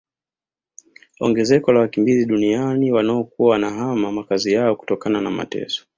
Ongezeko la wakimbizi duniani wanaokuwa wanahama makazi yao kutokana na mateso